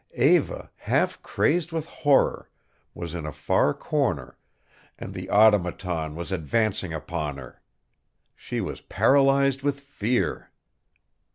Eva, half crazed with horror, was in a far corner, and the Automaton was advancing upon her. She was paralyzed with fear.